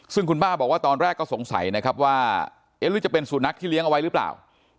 ซึ่งคุณป้าบอกว่าตอนแรกก็สงสัยนะครับว่าเอ๊ะหรือจะเป็นสุนัขที่เลี้ยงเอาไว้หรือเปล่า